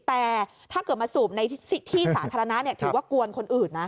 แต่ถ้าเกิดมาสูบในที่สาธารณะถือว่ากวนคนอื่นนะ